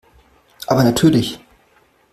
Aber natürlich.